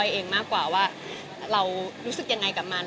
เองมากกว่าว่าเรารู้สึกยังไงกับมัน